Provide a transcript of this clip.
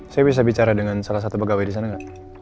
saya bisa bicara dengan salah satu pegawai di sana nggak